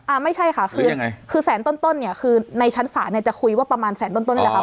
อ่าไม่ใช่ค่ะคือยังไงคือแสนต้นต้นเนี่ยคือในชั้นศาลเนี่ยจะคุยว่าประมาณแสนต้นต้นนี่แหละค่ะ